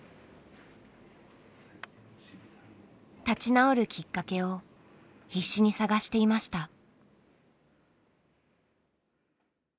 立ち直るきっかけを必死に探していました。